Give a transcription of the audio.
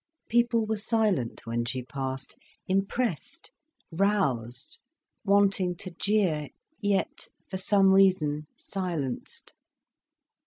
People were silent when she passed, impressed, roused, wanting to jeer, yet for some reason silenced.